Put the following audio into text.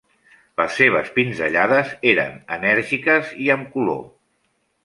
Les seves pinzellades eren enèrgiques i amb color.